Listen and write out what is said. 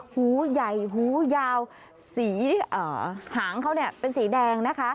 หูใหญ่หูยาวสีหางเขาเป็นสีแดงนะคะ